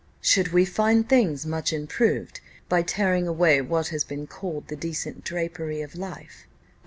Should we find things much improved by tearing away what has been called the decent drapery of life?"